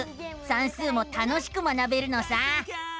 算数も楽しく学べるのさ！